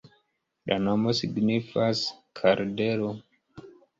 La nomo signifas: kardelo.